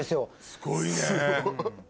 すごいね！